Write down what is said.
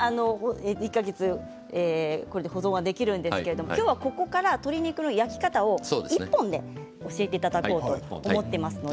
１か月保存ができるんですがきょうはここから鶏肉の焼き方を１本で教えていただこうと思っています。